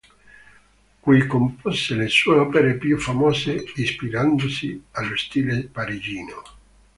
Qui compose le sue opere più famose, ispirandosi allo stile parigino.